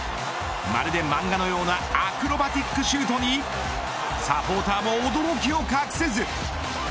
まるで漫画のようなアクロバティックシュートにサポーターも驚きを隠せず。